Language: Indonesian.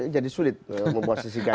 jadi sulit memposisikan